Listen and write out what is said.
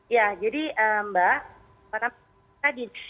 ya jadi mbak